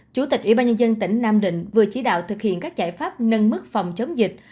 chủ tịch ủy ban nhân dân tỉnh nam định vừa chỉ đạo thực hiện các giải pháp nâng mức phòng chống dịch